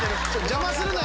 邪魔するの